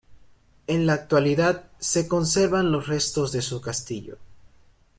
En la actualidad se conservan los restos de su castillo.